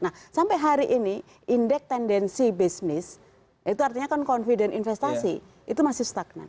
nah sampai hari ini indeks tendensi bisnis itu artinya kan confident investasi itu masih stagnan